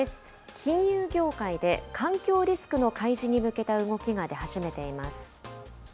金融業界で、環境リスクの開示に向けた動きが出始めています。